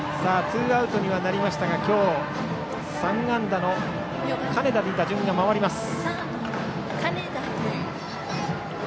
ツーアウトにはなりましたが今日３安打の金田に打順が回ります。